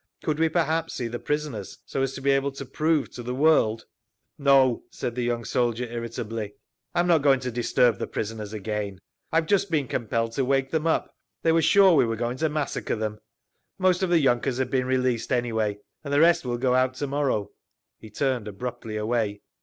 Could we perhaps see the prisoners, so as to be able to prove to the world—?" "No," said the young soldier, irritably. "I am not going to disturb the prisoners again. I have just been compelled to wake them up—they were sure we were going to massacre them…. Most of the yunkers have been released anyway, and the rest will go out to morrow." He turned abruptly away.